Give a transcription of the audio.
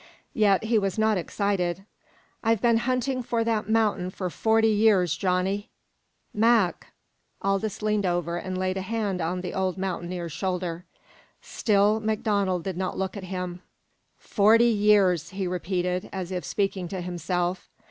Yet he was not excited. "I've been hunting for that mount'in for forty years, Johnny!" "Mac!" Aldous leaned over and laid a hand on the old mountaineer's shoulder. Still MacDonald did not look at him. "Forty years," he repeated, as if speaking to himself.